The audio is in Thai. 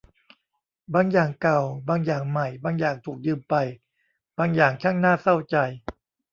บางอย่างเก่า บางอย่างใหม่ บางอย่างถูกยืมไป บางอย่างช่างน่าเศร้าใจ